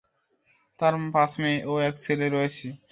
তার পাঁচ মেয়ে ও এক ছেলে রয়েছে।